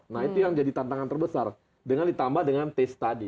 nah itu yang jadi tantangan terbesar dengan ditambah dengan taste tadi